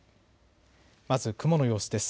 まず雲の様子です。